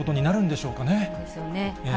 そうですよね。